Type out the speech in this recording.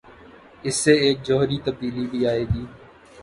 اس سے ایک جوہری تبدیلی بھی آئے گی۔